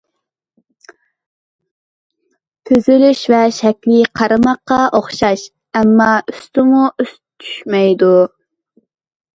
تۈزۈلۈشى ۋە شەكلى قارىماققا ئوخشاش، ئەمما ئۈستمۇ ئۈست چۈشمەيدۇ.